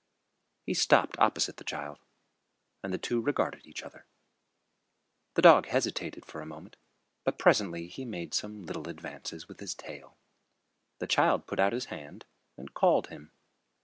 He stopped opposite the child, and the two regarded each other. The dog hesitated for a moment, but presently he made some little advances with his tail. The child put out his hand and called him.